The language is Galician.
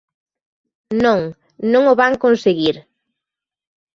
Non, non o van conseguir.